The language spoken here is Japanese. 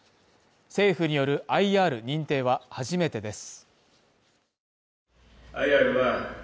政府によるＩＲ認定は初めてです。